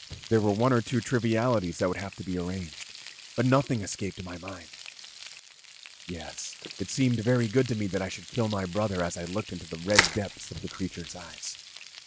There were one or two trivialities that would have to be arranged, but nothing escaped my mind. Yes, it seemed to me very good that I should kill my brother as I looked into the red depths of this creature's eyes.